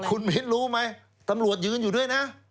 และคุณมิฤทธิ์รู้ไหมตำรวจยืนอยู่ด้วยนะ